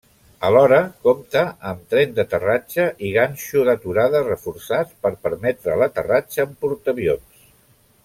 Alhora compta amb tren d'aterratge i ganxo d'aturada reforçats per permetre l'aterratge en portaavions.